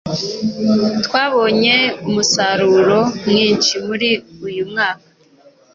Twabonye umusaruro mwinshi muri uyu mwaka.